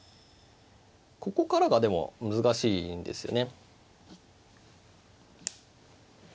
ここからがでも難しいんですよね。